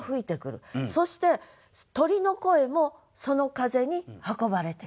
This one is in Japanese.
そして鳥の声もその風に運ばれてくる。